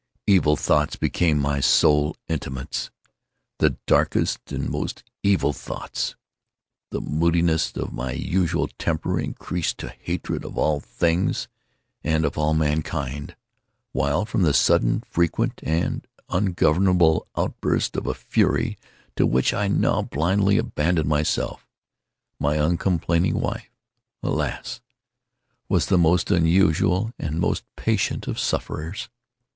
Evil thoughts became my sole intimates—the darkest and most evil of thoughts. The moodiness of my usual temper increased to hatred of all things and of all mankind; while, from the sudden, frequent, and ungovernable outbursts of a fury to which I now blindly abandoned myself, my uncomplaining wife, alas, was the most usual and the most patient of sufferers.